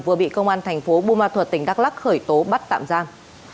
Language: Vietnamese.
vừa bị công an thành phố bùa ma thuật tỉnh đắk lắc khởi tố bắt tạm giam